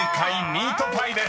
「ミートパイ」です］